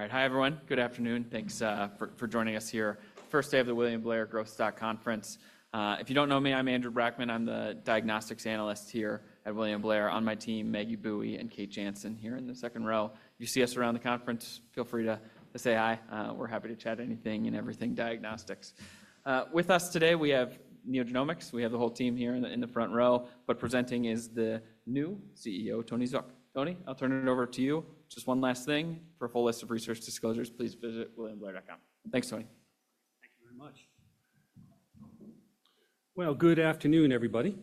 All right. Hi, everyone. Good afternoon. Thanks for joining us here. First day of the William Blair Growth Stock Conference. If you do not know me, I am Andrew Brackman. I am the diagnostics analyst here at William Blair. On my team, Maggie Bowie and Kate Jansen here in the second row. You see us around the conference. Feel free to say hi. We are happy to chat anything and everything diagnostics. With us today, we have NeoGenomics. We have the whole team here in the front row. But presenting is the new CEO, Tony Zook. Tony, I will turn it over to you. Just one last thing. For a full list of research disclosures, please visit williamblair.com. Thanks, Tony. Thank you very much. Good afternoon, everybody.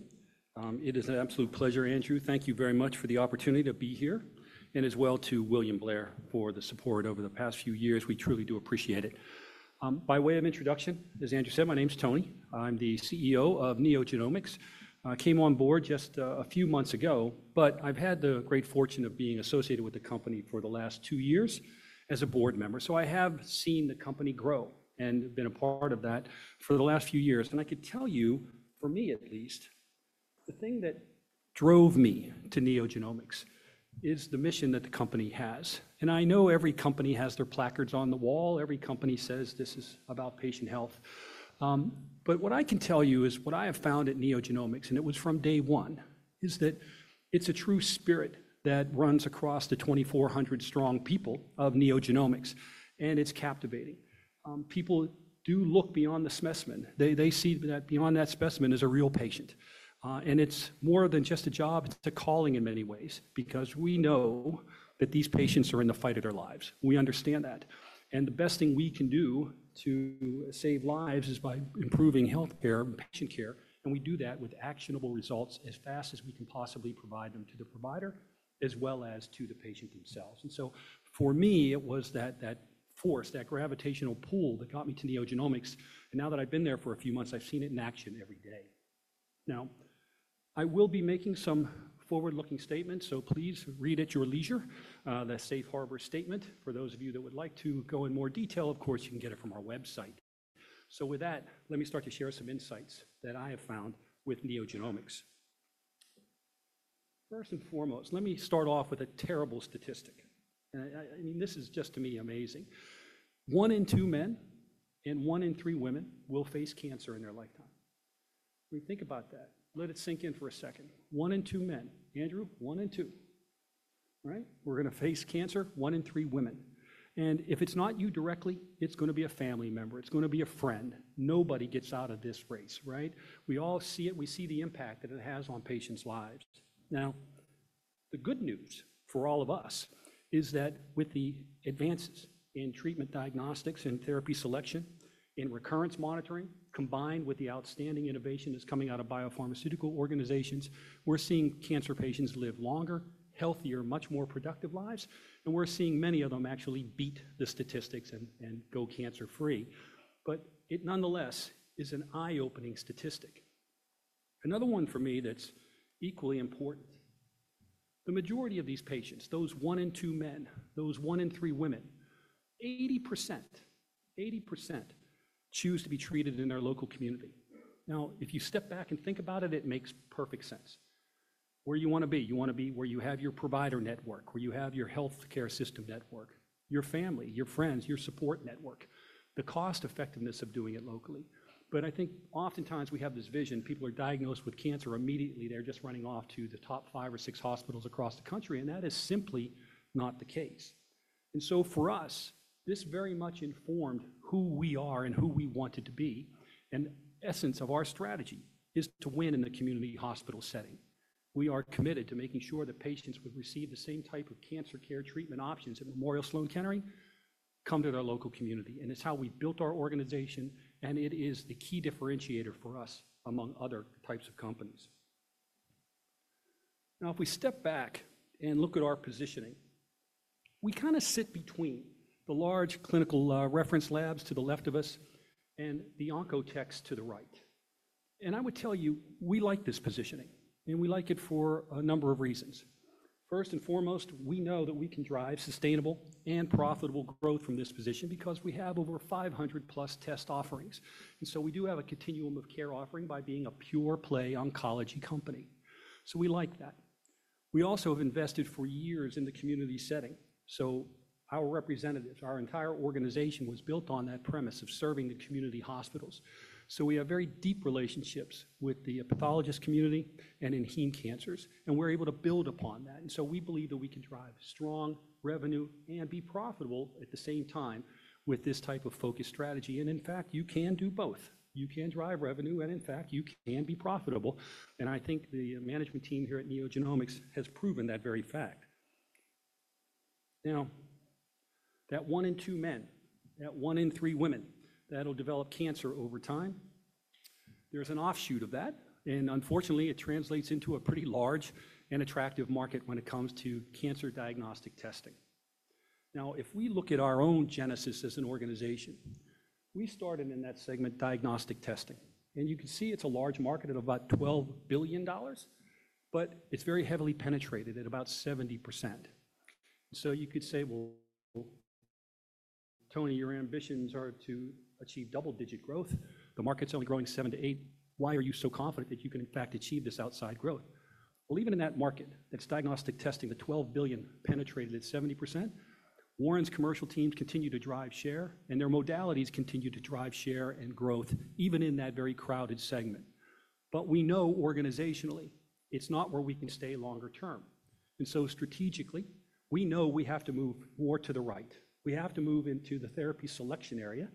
It is an absolute pleasure, Andrew. Thank you very much for the opportunity to be here, and as well to William Blair for the support over the past few years. We truly do appreciate it. By way of introduction, as Andrew said, my name is Tony. I'm the CEO of NeoGenomics. I came on board just a few months ago, but I've had the great fortune of being associated with the company for the last two years as a board member. I have seen the company grow and been a part of that for the last few years. I could tell you, for me at least, the thing that drove me to NeoGenomics is the mission that the company has. I know every company has their placards on the wall. Every company says this is about patient health. What I can tell you is what I have found at NeoGenomics, and it was from day one, is that it's a true spirit that runs across the 2,400 strong people of NeoGenomics. It's captivating. People do look beyond the specimen. They see that beyond that specimen is a real patient. It's more than just a job. It's a calling in many ways because we know that these patients are in the fight of their lives. We understand that. The best thing we can do to save lives is by improving healthcare and patient care. We do that with actionable results as fast as we can possibly provide them to the provider, as well as to the patient themselves. For me, it was that force, that gravitational pull that got me to NeoGenomics. Now that I've been there for a few months, I've seen it in action every day. I will be making some forward-looking statements, so please read at your leisure. The safe harbor statement, for those of you that would like to go in more detail, of course, you can get it from our website. With that, let me start to share some insights that I have found with NeoGenomics. First and foremost, let me start off with a terrible statistic. I mean, this is just to me amazing. One in two men and one in three women will face cancer in their lifetime. When you think about that, let it sink in for a second. One in two men. Andrew, one in two. Right? We're going to face cancer. One in three women. And if it's not you directly, it's going to be a family member. It's going to be a friend. Nobody gets out of this race, right? We all see it. We see the impact that it has on patients' lives. Now, the good news for all of us is that with the advances in treatment diagnostics and therapy selection and recurrence monitoring, combined with the outstanding innovation that's coming out of biopharmaceutical organizations, we're seeing cancer patients live longer, healthier, much more productive lives. We're seeing many of them actually beat the statistics and go cancer-free. It nonetheless is an eye-opening statistic. Another one for me that's equally important. The majority of these patients, those one in two men, those one in three women, 80%, 80% choose to be treated in their local community. Now, if you step back and think about it, it makes perfect sense. Where you want to be, you want to be where you have your provider network, where you have your healthcare system network, your family, your friends, your support network, the cost-effectiveness of doing it locally. I think oftentimes we have this vision. People are diagnosed with cancer immediately. They're just running off to the top five or six hospitals across the country. That is simply not the case. For us, this very much informed who we are and who we wanted to be. The essence of our strategy is to win in a community hospital setting. We are committed to making sure that patients would receive the same type of cancer care treatment options at Memorial Sloan Kettering, come to their local community. It is how we built our organization. It is the key differentiator for us among other types of companies. Now, if we step back and look at our positioning, we kind of sit between the large clinical reference labs to the left of us and the oncotechs to the right. I would tell you, we like this positioning. We like it for a number of reasons. First and foremost, we know that we can drive sustainable and profitable growth from this position because we have over 500+ test offerings. We do have a continuum of care offering by being a pure-play oncology company. We like that. We also have invested for years in the community setting. Our representatives, our entire organization was built on that premise of serving the community hospitals. We have very deep relationships with the pathologist community and in heme cancers. We are able to build upon that. We believe that we can drive strong revenue and be profitable at the same time with this type of focused strategy. In fact, you can do both. You can drive revenue. In fact, you can be profitable. I think the management team here at NeoGenomics has proven that very fact. That one in two men, that one in three women that will develop cancer over time, there's an offshoot of that. Unfortunately, it translates into a pretty large and attractive market when it comes to cancer diagnostic testing. If we look at our own genesis as an organization, we started in that segment, diagnostic testing. You can see it's a large market at about $12 billion. It's very heavily penetrated at about 70%. You could say, well, Tony, your ambitions are to achieve double-digit growth. The market's only growing 7%-8%. Why are you so confident that you can, in fact, achieve this outside growth? Even in that market, that's diagnostic testing, the $12 billion penetrated at 70%, Warren's commercial teams continue to drive share. Their modalities continue to drive share and growth even in that very crowded segment. We know organizationally it's not where we can stay longer term. Strategically, we know we have to move more to the right. We have to move into the therapy selection area,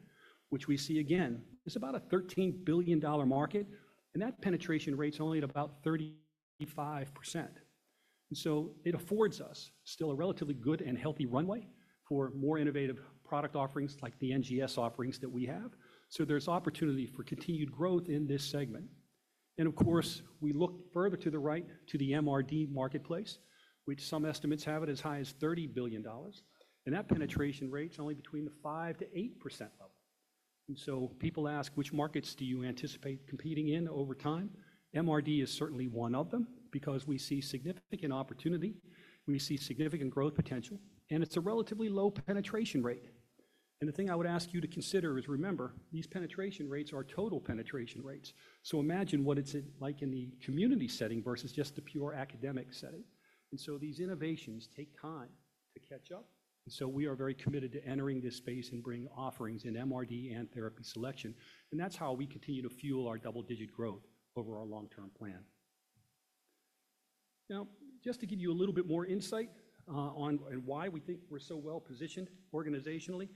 which we see again is about a $13 billion market. That penetration rate's only at about 35%. It affords us still a relatively good and healthy runway for more innovative product offerings like the NGS offerings that we have. There's opportunity for continued growth in this segment. Of course, we look further to the right to the MRD marketplace, which some estimates have it as high as $30 billion. That penetration rate's only between the 5%-8% level. People ask, which markets do you anticipate competing in over time? MRD is certainly one of them because we see significant opportunity. We see significant growth potential. It's a relatively low penetration rate. The thing I would ask you to consider is remember, these penetration rates are total penetration rates. Imagine what it's like in the community setting versus just the pure academic setting. These innovations take time to catch up. We are very committed to entering this space and bringing offerings in MRD and therapy selection. That's how we continue to fuel our double-digit growth over our long-term plan. Now, just to give you a little bit more insight on why we think we're so well-positioned organizationally,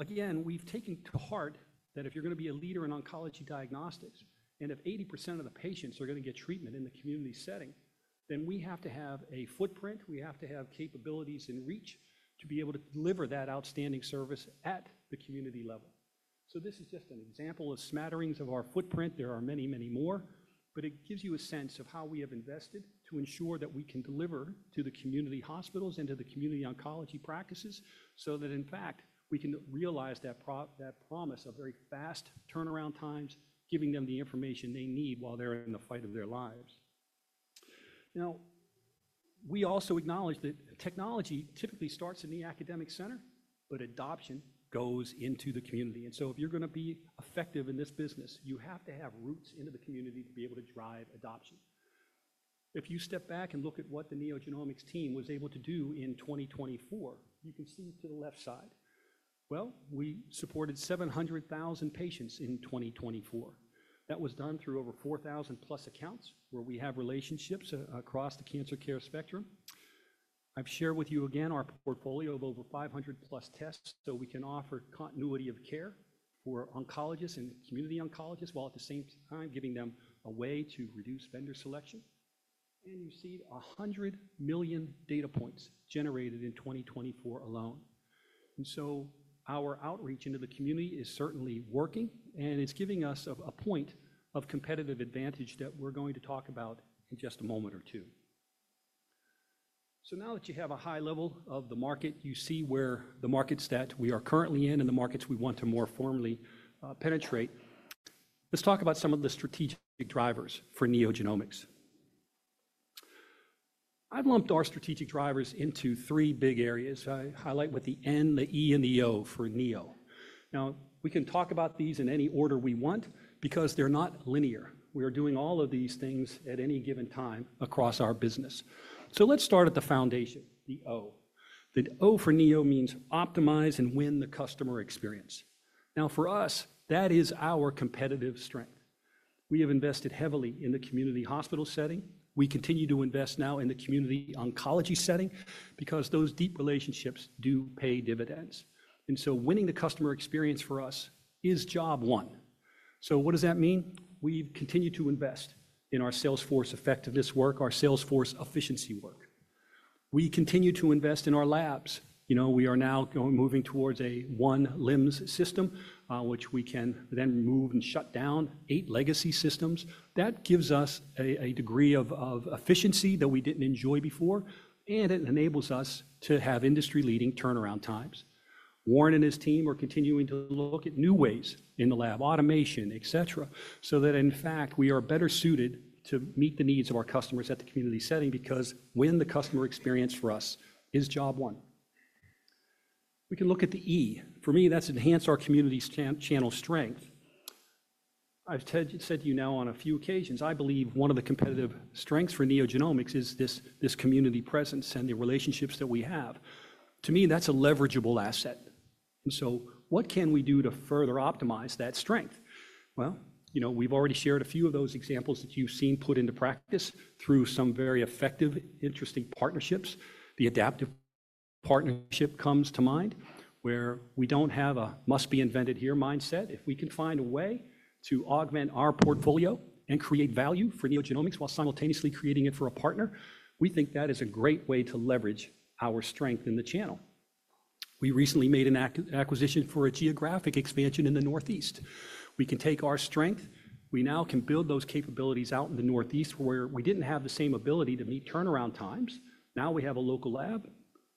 again, we've taken to heart that if you're going to be a leader in oncology diagnostics and if 80% of the patients are going to get treatment in the community setting, then we have to have a footprint. We have to have capabilities and reach to be able to deliver that outstanding service at the community level. This is just an example of smatterings of our footprint. There are many, many more. It gives you a sense of how we have invested to ensure that we can deliver to the community hospitals and to the community oncology practices so that, in fact, we can realize that promise of very fast turnaround times, giving them the information they need while they're in the fight of their lives. Now, we also acknowledge that technology typically starts in the academic center, but adoption goes into the community. If you're going to be effective in this business, you have to have roots into the community to be able to drive adoption. If you step back and look at what the NeoGenomics team was able to do in 2024, you can see to the left side, we supported 700,000 patients in 2024. That was done through over 4,000+ accounts where we have relationships across the cancer care spectrum. I've shared with you again our portfolio of over 500+ tests so we can offer continuity of care for oncologists and community oncologists while at the same time giving them a way to reduce vendor selection. You see 100 million data points generated in 2024 alone. Our outreach into the community is certainly working. It's giving us a point of competitive advantage that we're going to talk about in just a moment or two. Now that you have a high level of the market, you see where the markets that we are currently in and the markets we want to more formally penetrate. Let's talk about some of the strategic drivers for NeoGenomics. I've lumped our strategic drivers into three big areas. I highlight with the N, the E, and the O for NEO. We can talk about these in any order we want because they're not linear. We are doing all of these things at any given time across our business. Let's start at the foundation, the O. The O for NEO means Optimize and win the customer experience. For us, that is our competitive strength. We have invested heavily in the community hospital setting. We continue to invest now in the community oncology setting because those deep relationships do pay dividends. Winning the customer experience for us is job one. What does that mean? We continue to invest in our sales force effectiveness work, our sales force efficiency work. We continue to invest in our labs. You know, we are now moving towards a one LIMS system, which we can then move and shut down eight legacy systems. That gives us a degree of efficiency that we did not enjoy before. It enables us to have industry-leading turnaround times. Warren and his team are continuing to look at new ways in the lab, automation, et cetera, so that in fact, we are better suited to meet the needs of our customers at the community setting because win the customer experience for us is job one. We can look at the E. For me, that's Enhance our community channel strength. I've said to you now on a few occasions, I believe one of the competitive strengths for NeoGenomics is this community presence and the relationships that we have. To me, that's a leverageable asset. What can we do to further optimize that strength? You know, we've already shared a few of those examples that you've seen put into practice through some very effective, interesting partnerships. The Adaptive partnership comes to mind where we don't have a must-be-invented-here mindset. If we can find a way to augment our portfolio and create value for NeoGenomics while simultaneously creating it for a partner, we think that is a great way to leverage our strength in the channel. We recently made an acquisition for a geographic expansion in the Northeast. We can take our strength. We now can build those capabilities out in the Northeast where we did not have the same ability to meet turnaround times. Now we have a local lab.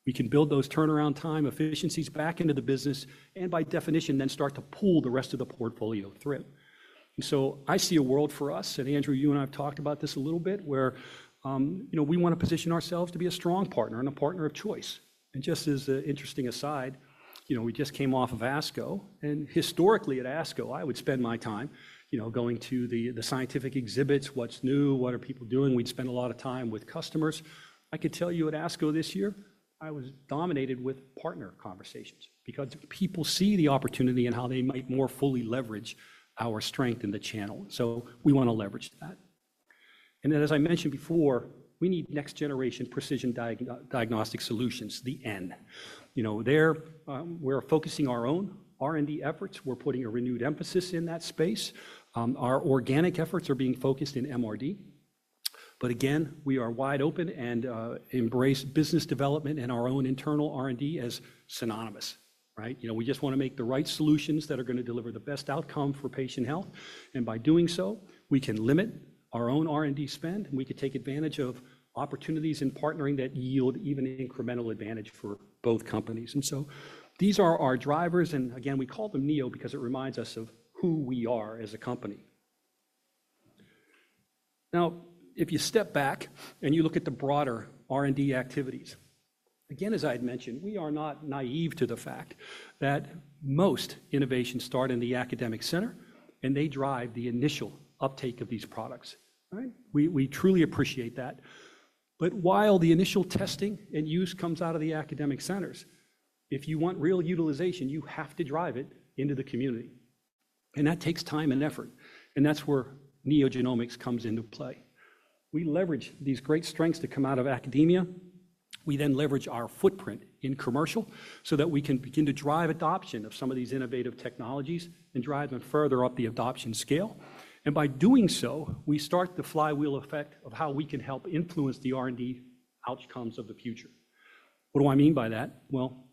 We can build those turnaround time efficiencies back into the business and by definition, then start to pull the rest of the portfolio through. I see a world for us. Andrew, you and I have talked about this a little bit where, you know, we want to position ourselves to be a strong partner and a partner of choice. Just as an interesting aside, you know, we just came off of ASCO. Historically at ASCO, I would spend my time, you know, going to the scientific exhibits, what is new, what are people doing. We would spend a lot of time with customers. I could tell you at ASCO this year, I was dominated with partner conversations because people see the opportunity and how they might more fully leverage our strength in the channel. We want to leverage that. As I mentioned before, we need Next-generation precision diagnostic solutions, the N. You know, we're focusing our own R&D efforts. We're putting a renewed emphasis in that space. Our organic efforts are being focused in MRD. Again, we are wide open and embrace business development and our own internal R&D as synonymous, right? You know, we just want to make the right solutions that are going to deliver the best outcome for patient health. By doing so, we can limit our own R&D spend. We could take advantage of opportunities in partnering that yield even incremental advantage for both companies. These are our drivers. We call them NEO because it reminds us of who we are as a company. If you step back and you look at the broader R&D activities, as I had mentioned, we are not naive to the fact that most innovation starts in the academic center. They drive the initial uptake of these products, right? We truly appreciate that. While the initial testing and use comes out of the academic centers, if you want real utilization, you have to drive it into the community. That takes time and effort. That is where NeoGenomics comes into play. We leverage these great strengths that come out of academia. We then leverage our footprint in commercial so that we can begin to drive adoption of some of these innovative technologies and drive them further up the adoption scale. By doing so, we start the flywheel effect of how we can help influence the R&D outcomes of the future. What do I mean by that?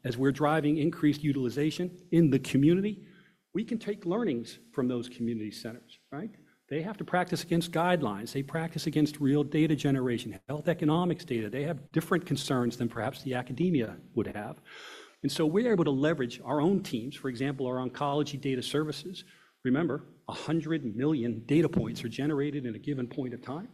As we are driving increased utilization in the community, we can take learnings from those community centers, right? They have to practice against guidelines. They practice against real data generation, health economics data. They have different concerns than perhaps academia would have. We are able to leverage our own teams, for example, our oncology data services. Remember, 100 million data points are generated in a given point of time.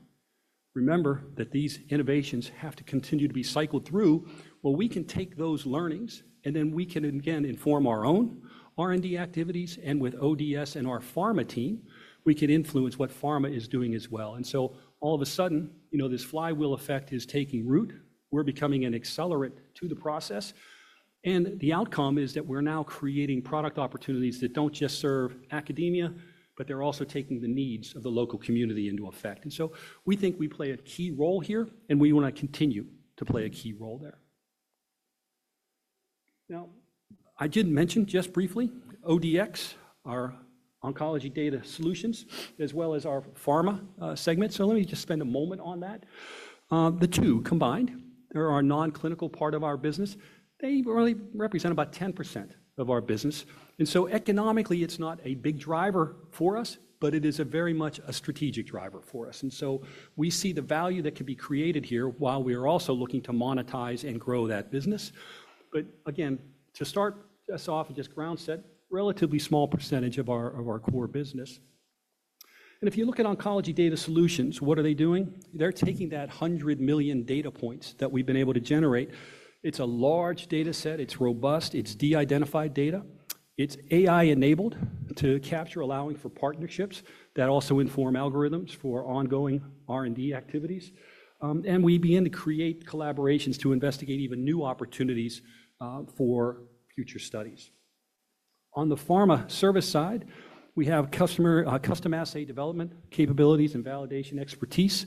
Remember that these innovations have to continue to be cycled through. We can take those learnings. We can, again, inform our own R&D activities. With ODS and our pharma team, we can influence what pharma is doing as well. All of a sudden, you know, this flywheel effect is taking root. We're becoming an accelerant to the process. The outcome is that we're now creating product opportunities that do not just serve academia, but they are also taking the needs of the local community into effect. We think we play a key role here. We want to continue to play a key role there. I did mention just briefly ODS, our Oncology Data Solutions, as well as our pharma segment. Let me just spend a moment on that. The two combined, they are our non-clinical part of our business. They really represent about 10% of our business. Economically, it is not a big driver for us, but it is very much a strategic driver for us. We see the value that can be created here while we are also looking to monetize and grow that business. Again, to start us off and just groundset, relatively small percentage of our core business. If you look at Oncology Data Solutions, what are they doing? They are taking that 100 million data points that we have been able to generate. It is a large data set. It is robust. It is de-identified data. It is AI-enabled to capture, allowing for partnerships that also inform algorithms for ongoing R&D activities. We begin to create collaborations to investigate even new opportunities for future studies. On the pharma service side, we have customer assay development capabilities and validation expertise.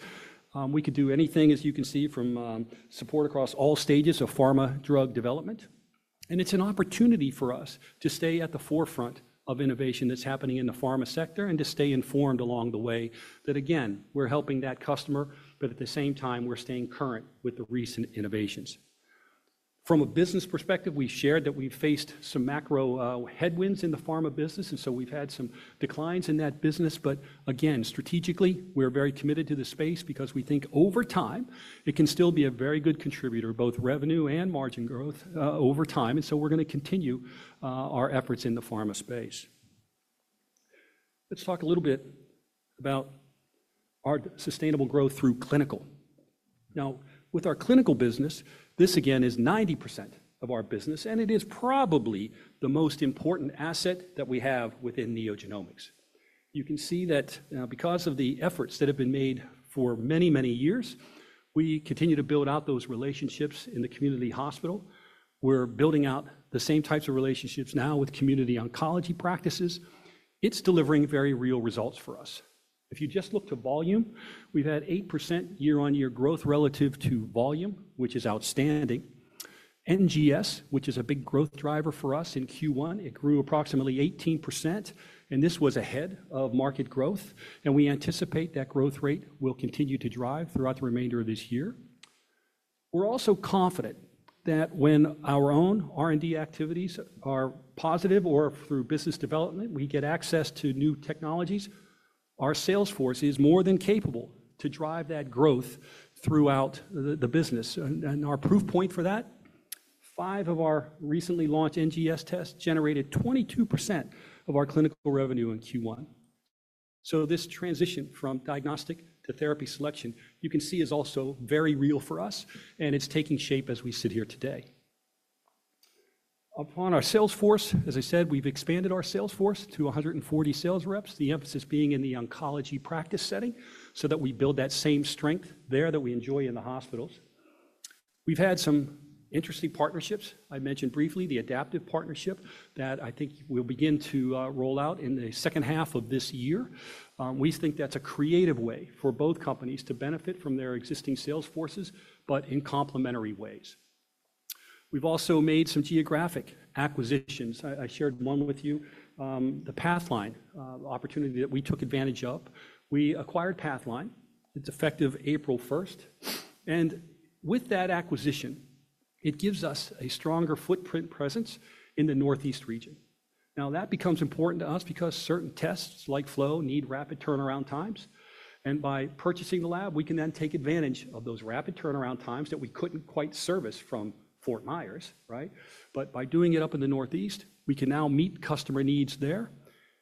We could do anything, as you can see, from support across all stages of pharma drug development. It is an opportunity for us to stay at the forefront of innovation that is happening in the pharma sector and to stay informed along the way that, again, we are helping that customer, but at the same time, we are staying current with the recent innovations. From a business perspective, we shared that we have faced some macro headwinds in the pharma business. We have had some declines in that business. Again, strategically, we are very committed to the space because we think over time, it can still be a very good contributor, both revenue and margin growth over time. We are going to continue our efforts in the pharma space. Let's talk a little bit about our sustainable growth through clinical. Now, with our clinical business, this again is 90% of our business. It is probably the most important asset that we have within NeoGenomics. You can see that because of the efforts that have been made for many, many years, we continue to build out those relationships in the community hospital. We are building out the same types of relationships now with community oncology practices. It is delivering very real results for us. If you just look to volume, we have had 8% year-on-year growth relative to volume, which is outstanding. NGS, which is a big growth driver for us in Q1, it grew approximately 18%. This was ahead of market growth. We anticipate that growth rate will continue to drive throughout the remainder of this year. We are also confident that when our own R&D activities are positive or through business development, we get access to new technologies. Our sales force is more than capable to drive that growth throughout the business. Our proof point for that, five of our recently launched NGS tests generated 22% of our clinical revenue in Q1. This transition from diagnostic to therapy selection, you can see, is also very real for us. It is taking shape as we sit here today. Upon our sales force, as I said, we've expanded our sales force to 140 sales reps, the emphasis being in the oncology practice setting so that we build that same strength there that we enjoy in the hospitals. We've had some interesting partnerships. I mentioned briefly the Adaptive partnership that I think we'll begin to roll out in the second half of this year. We think that's a creative way for both companies to benefit from their existing sales forces, but in complementary ways. We've also made some geographic acquisitions. I shared one with you, the Pathline opportunity that we took advantage of. We acquired Pathline. It is effective April 1st. With that acquisition, it gives us a stronger footprint presence in the northeast region. That becomes important to us because certain tests like flow need rapid turnaround times. By purchasing the lab, we can then take advantage of those rapid turnaround times that we could not quite service from Fort Myers, right? By doing it up in the northeast, we can now meet customer needs there.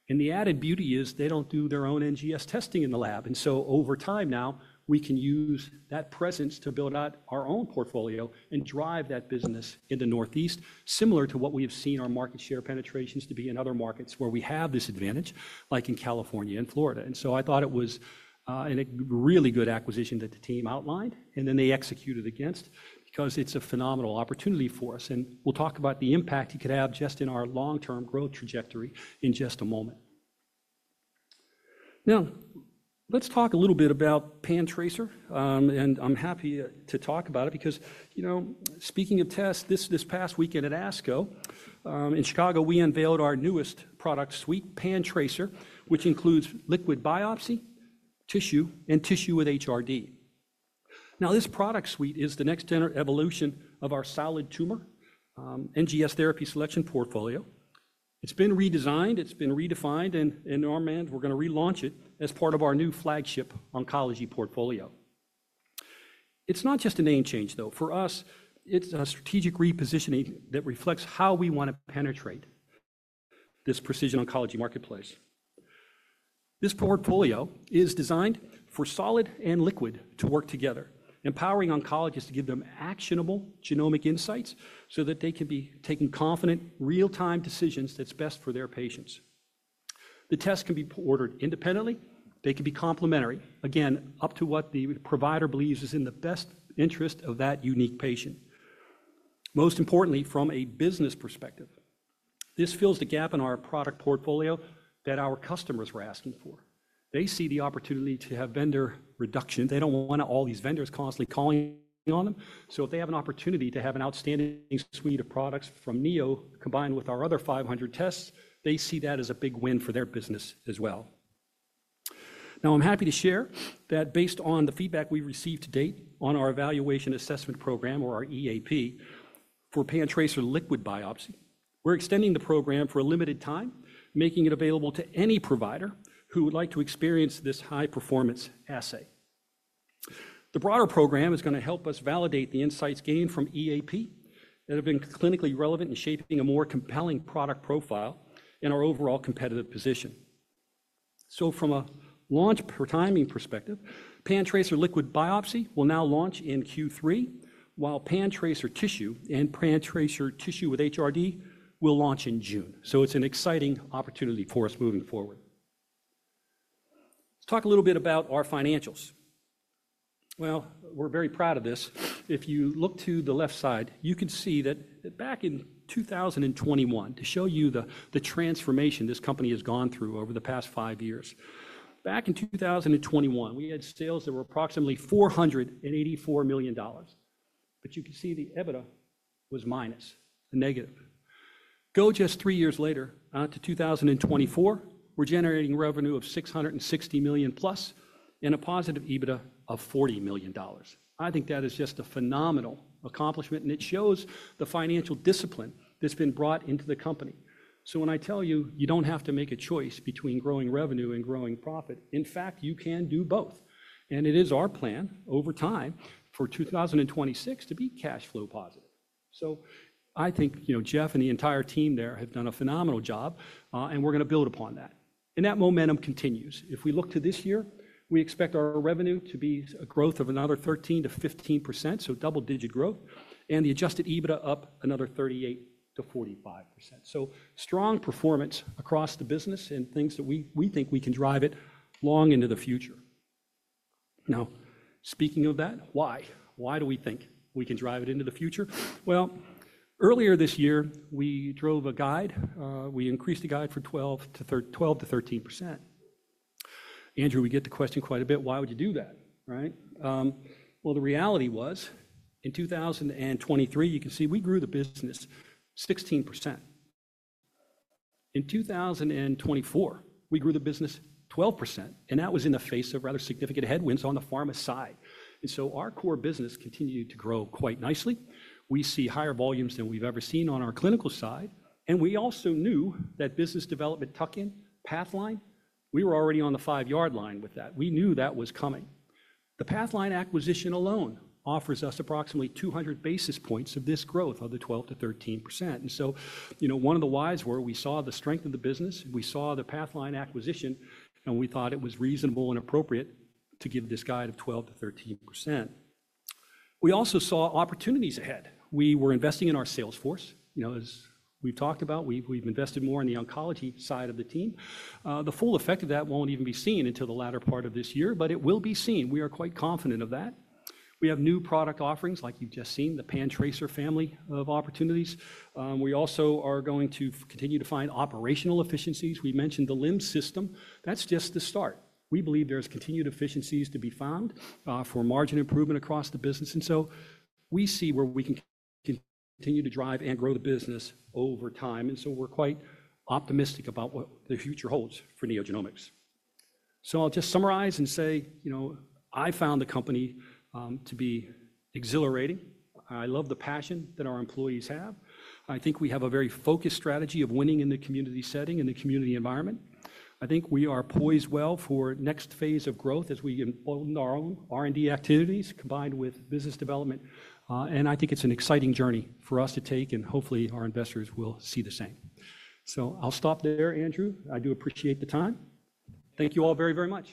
The added beauty is they do not do their own NGS testing in the lab. Over time now, we can use that presence to build out our own portfolio and drive that business in the northeast, similar to what we have seen our market share penetrations to be in other markets where we have this advantage, like in California and Florida. I thought it was a really good acquisition that the team outlined. They executed against it because it's a phenomenal opportunity for us. We'll talk about the impact it could have just in our long-term growth trajectory in just a moment. Now, let's talk a little bit about PanTracer. I'm happy to talk about it because, you know, speaking of tests, this past weekend at ASCO in Chicago, we unveiled our newest product suite, PanTracer, which includes liquid biopsy, tissue, and tissue with HRD. This product suite is the next-generation evolution of our solid tumor NGS therapy selection portfolio. It's been redesigned. It's been redefined. Our man, we're going to relaunch it as part of our new flagship oncology portfolio. It's not just a name change, though. For us, it's a strategic repositioning that reflects how we want to penetrate this precision oncology marketplace. This portfolio is designed for solid and liquid to work together, empowering oncologists to give them actionable genomic insights so that they can be taking confident, real-time decisions that's best for their patients. The tests can be ordered independently. They can be complementary, again, up to what the provider believes is in the best interest of that unique patient. Most importantly, from a business perspective, this fills the gap in our product portfolio that our customers were asking for. They see the opportunity to have vendor reduction. They don't want all these vendors constantly calling on them. If they have an opportunity to have an outstanding suite of products from Neo combined with our other 500 tests, they see that as a big win for their business as well. Now, I'm happy to share that based on the feedback we received to date on our evaluation assessment program, or our EAP, for PanTracer liquid biopsy, we're extending the program for a limited time, making it available to any provider who would like to experience this high-performance assay. The broader program is going to help us validate the insights gained from EAP that have been clinically relevant in shaping a more compelling product profile and our overall competitive position. From a launch timing perspective, PanTracer liquid biopsy will now launch in Q3, while PanTracer Tissue and PanTracer Tissue + HRD will launch in June. It is an exciting opportunity for us moving forward. Let's talk a little bit about our financials. We are very proud of this. If you look to the left side, you can see that back in 2021, to show you the transformation this company has gone through over the past five years. Back in 2021, we had sales that were approximately $484 million. You can see the EBITDA was minus, a negative. Go just three years later to 2024, we're generating revenue of $660 million+ and a positive EBITDA of $40 million. I think that is just a phenomenal accomplishment. It shows the financial discipline that's been brought into the company. When I tell you, you don't have to make a choice between growing revenue and growing profit. In fact, you can do both. It is our plan over time for 2026 to be cash flow positive. I think, you know, Jeff and the entire team there have done a phenomenal job. We are going to build upon that. That momentum continues. If we look to this year, we expect our revenue to be a growth of another 13%-15%, so double-digit growth, and the adjusted EBITDA up another 38%-45%. Strong performance across the business and things that we think we can drive long into the future. Speaking of that, why do we think we can drive it into the future? Earlier this year, we drove a guide. We increased the guide from 12% to 13%. Andrew, we get the question quite a bit, why would you do that, right? The reality was in 2023, you can see we grew the business 16%. In 2024, we grew the business 12%. That was in the face of rather significant headwinds on the pharma side. Our core business continued to grow quite nicely. We see higher volumes than we've ever seen on our clinical side. We also knew that business development tucked in Pathline. We were already on the five-yard line with that. We knew that was coming. The Pathline acquisition alone offers us approximately 200 basis points of this growth of the 12%-13%. One of the whys where we saw the strength of the business, we saw the Pathline acquisition, and we thought it was reasonable and appropriate to give this guide of 12%-13%. We also saw opportunities ahead. We were investing in our sales force, you know, as we've talked about. We've invested more in the oncology side of the team. The full effect of that won't even be seen until the latter part of this year, but it will be seen. We are quite confident of that. We have new product offerings, like you've just seen, the PanTracer family of opportunities. We also are going to continue to find operational efficiencies. We mentioned the Lynn System. That's just the start. We believe there's continued efficiencies to be found for margin improvement across the business. We see where we can continue to drive and grow the business over time. We are quite optimistic about what the future holds for NeoGenomics. I'll just summarize and say, you know, I found the company to be exhilarating. I love the passion that our employees have. I think we have a very focused strategy of winning in the community setting, in the community environment. I think we are poised well for the next phase of growth as we own our own R&D activities combined with business development. I think it's an exciting journey for us to take. Hopefully, our investors will see the same. I'll stop there, Andrew. I do appreciate the time. Thank you all very, very much.